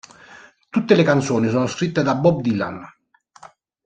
Tutte le canzoni sono scritte da Bob Dylan.